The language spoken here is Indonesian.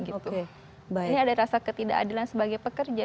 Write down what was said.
ini ada rasa ketidakadilan sebagai pekerja